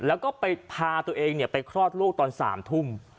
แล้วก็ไปพาตัวเองไปคลอดลูกตอน๓ทุ่ม